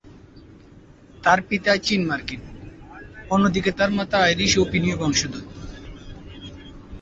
তার পিতা চীনা-মার্কিন, অন্যদিকে তার মাতা আইরিশ ও ফিনীয় বংশোদ্ভূত।